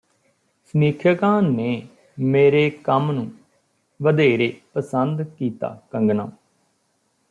ਸਮੀਖਿਅਕਾਂ ਨੇ ਮੇਰੇ ਕੰਮ ਨੂੰ ਵਧੇਰੇ ਪਸੰਦ ਕੀਤਾ ਕੰਗਨਾ